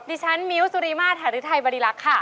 ชั้นมิวสุริมาธาริไทยบริรักษ์ค่ะ